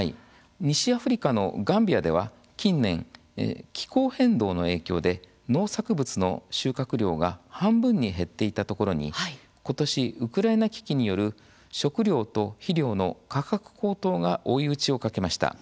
西アフリカのガンビアでは近年、気候変動の影響で農作物の収穫量が半分に減っていたところに今年、ウクライナ危機による食料と肥料の価格高騰が追い打ちをかけました。